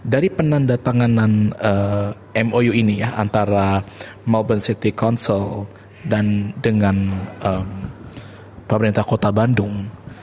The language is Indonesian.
dari penandatanganan mou ini antara melbourne city council dan dengan pemerintah kota bandung